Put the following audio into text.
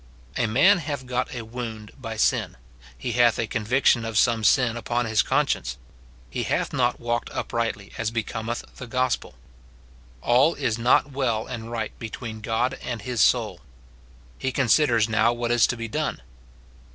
A man hath got a wound by sin ; he hath a conviction of some sin upon his conscience ; he hath not walked uprightly as becometh the gospel ; all is not well and right between God and his soul. He considers now what is to be done.